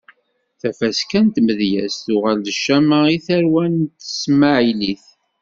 Tafaska n tmedyezt tuɣal d ccama i tarwan n tesmaɛlit.